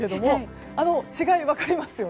違い、分かりますよね？